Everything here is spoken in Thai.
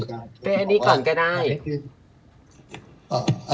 เฮ้เปย์อันนี้ก่อนก็ได้